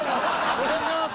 お願いします！